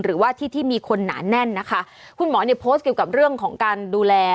หรือว่าที่ที่มีคนหนาแน่นนะคะคุณหมอเนี่ยโพสต์เกี่ยวกับเรื่องของการดูแล